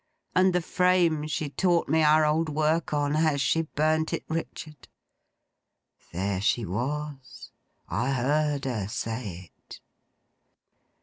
And the frame she taught me our old work on—has she burnt it, Richard!" There she was. I heard her say it.